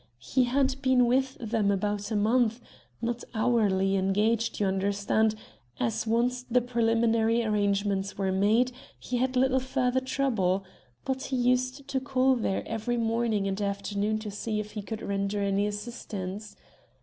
He had been with them about a month not hourly engaged, you understand, as once the preliminary arrangements were made, he had little further trouble but he used to call there every morning and afternoon to see if he could render any assistance.